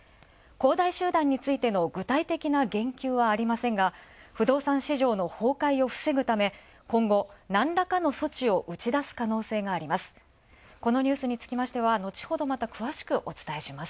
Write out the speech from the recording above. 恒大集団についての恒大についての不動産市場の崩壊を防ぐため、今後なんらかの措置を打ち出す可能性があります。